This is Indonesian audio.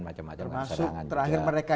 macam macam serangan termasuk terakhir mereka